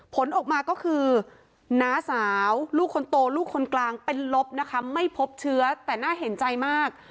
ผลออกมาก็คือน้าสาวลูกคนโตลูกคนกลางเป็นลบนะคะไม่พบเชื้อแต่น่าเห็นใจมาก